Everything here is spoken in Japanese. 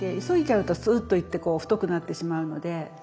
急いじゃうとスーッと行って太くなってしまうので。